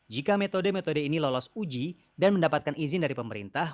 jika metode metode ini lolos uji dan mendapatkan izin dari pemerintah